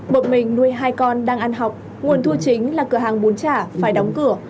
một mình nuôi hai con đang ăn học nguồn thu chính là cửa hàng bún chả phải đóng cửa